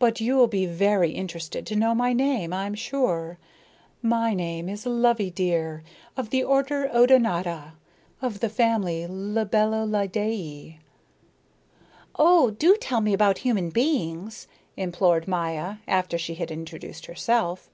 "But you'll be very interested to know my name, I'm sure. My name is Loveydear, of the order Odonata, of the family Libellulidæ." "Oh, do tell me about human beings," implored Maya, after she had introduced herself.